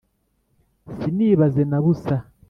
Sinibaze na busa